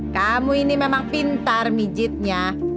kamu ini memang pintar mijitnya